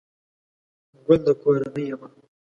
گل دکورنۍ يمه